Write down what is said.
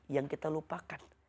yang kita lupakan